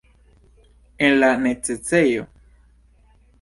En la necesejo?